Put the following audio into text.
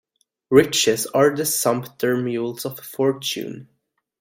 Riches are the sumpter mules of fortune.